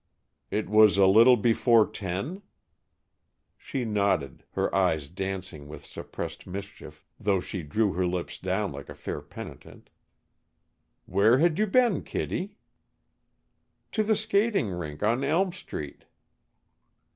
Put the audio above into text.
"It was a little before ten?" She nodded, her eyes dancing with suppressed mischief, though she drew her lips down like a fair penitent. "Where had you been, Kittie?" "To the skating rink on Elm Street."